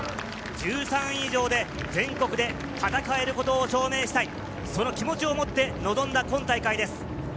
１３位以上で全国で戦えることを証明したい、その気持ちを持って臨んだ今大会です。